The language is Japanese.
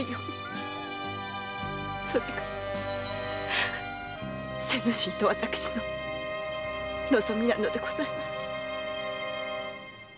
それが精之進と私の望みなのでございます。